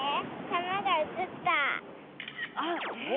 あっへえ！